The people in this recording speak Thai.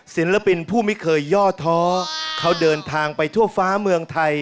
ศิลปินผู้ไม่เคยย่อท้อเขาเดินทางไปทั่วฟ้าเมืองไทย